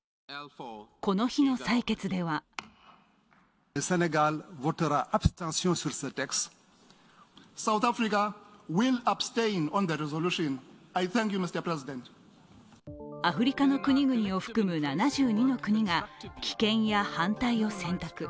この日の採決ではアフリカの国々を含む７２の国が棄権や反対を選択。